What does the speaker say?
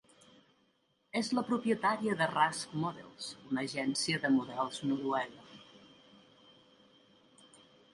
És la propietària de Rask Models, una agència de models noruega.